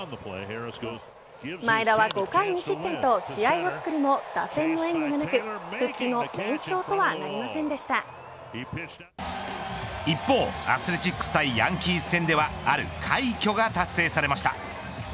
前田は５回２失点と試合を作るも打線の援護がなく復帰後、連勝とは一方、アスレチックス対ヤンキース戦ではある快挙が達成されました。